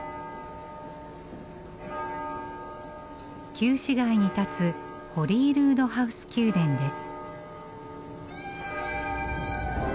旧市街に立つホリールードハウス宮殿です。